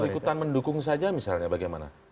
ikutan mendukung saja misalnya bagaimana